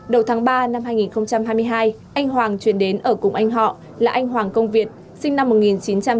đầu tháng ba năm hai nghìn hai mươi hai anh hoàng chuyển đến ở cùng anh họ là anh hoàng công việt sinh năm một nghìn chín trăm tám mươi hai